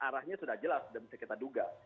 arahnya sudah jelas dan bisa kita duga